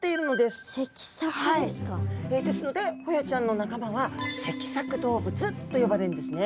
ですのでホヤちゃんの仲間は脊索動物と呼ばれるんですね。